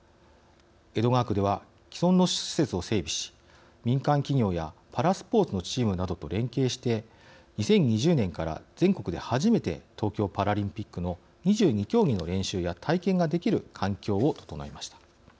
江戸川区では既存の施設を整備し民間企業やパラスポーツのチームなどと連携して２０２０年から全国で初めて東京パラリンピックの２２競技の練習や体験ができる環境を整えました。